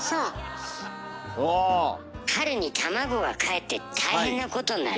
春にタマゴがかえって大変なことになる。